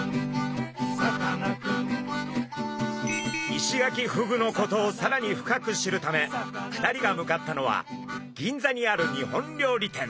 イシガキフグのことをさらに深く知るため２人が向かったのは銀座にある日本料理店。